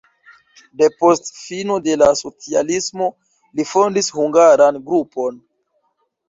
Depost fino de la socialismo li fondis hungaran grupon.